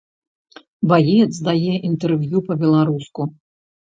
Баец дае інтэрв'ю па-беларуску.